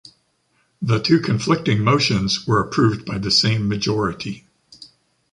The two conflicting motions were approved by the same majority.